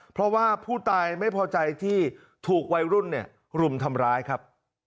เพราะว่าผู้ตายไม่พอใจที่ถูกวัยรุ่นรุมทำร้ายครับ